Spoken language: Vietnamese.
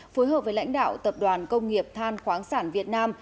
phối hợp với lãnh đạo tập đoàn công nghiệp than khoáng sản việt nam